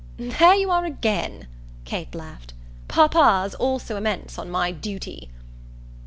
"There you are again," Kate laughed. "Papa's also immense on my duty."